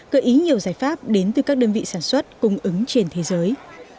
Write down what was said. cơ ý nhiều giải pháp đến từ các đơn vị sản xuất cung ứng trên thế giới